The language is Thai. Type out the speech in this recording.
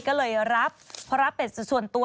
ก็เลยรับเพราะรับเป็ดส่วนตัว